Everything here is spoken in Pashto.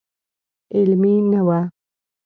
علمي نه و.